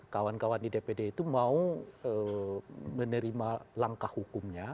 kawan kawan di dpd itu mau menerima langkah hukumnya